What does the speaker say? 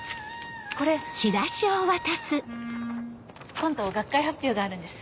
今度学会発表があるんです